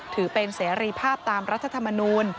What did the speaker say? ถือเป็นเสรีภาพตามรัฐธรรมนูล